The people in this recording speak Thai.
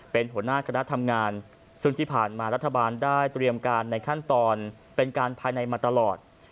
เป็นหัวหน้าคณะทำงานซึ่งที่ผ่านมารัฐบาลได้เตรียมการในขั้นตอนเป็นการภายในมาตลอด